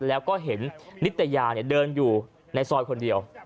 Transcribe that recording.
แล้วก็เห็นนิตยาเดินอยู่ในซอยคนเดียว